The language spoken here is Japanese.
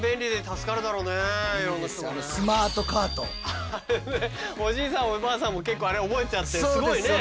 あれねおじいさんもおばあさんも結構あれ覚えちゃってすごいね。